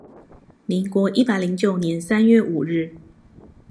民國一百零九年三月五日